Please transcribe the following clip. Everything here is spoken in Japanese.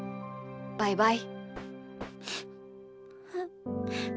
バイバイ。